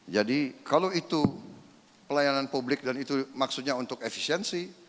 jadi kalau itu pelayanan publik dan itu maksudnya untuk efisiensi